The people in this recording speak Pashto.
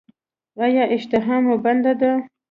ایا اشتها مو بنده ده؟